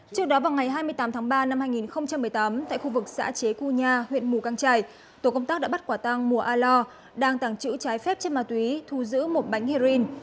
trước đó vào ngày hai mươi tám tháng ba năm hai nghìn một mươi tám tại khu vực xã chế cua nha huyện mù căng trải tổ công tác đã bắt quả tăng mùa a lo đang tàng trữ trái phép chất ma túy thu giữ một bánh heroin